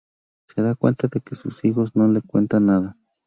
Se da cuenta de que sus hijos no le cuentan nada.